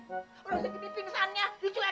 udah segini pingsannya dicuekin aja